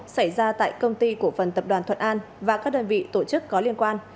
xảy ra tại công ty của phần tập đoàn thuận an và các đơn vị tổ chức có liên quan